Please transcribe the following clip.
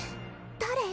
誰？